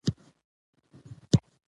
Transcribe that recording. نقيب راسته سړی دی.